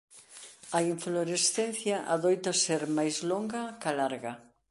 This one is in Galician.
A inflorescencia adoita ser máis longa ca larga.